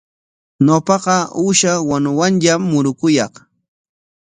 Ñawpaqa uusha wanuwanllam murukuyaq.